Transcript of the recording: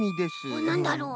おっなんだろう？